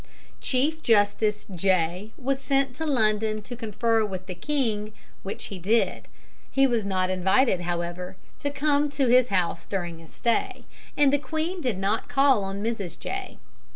Chief Justice Jay was sent to London to confer with the king, which he did. He was not invited, however, to come to the house during his stay, and the queen did not call on Mrs. Jay.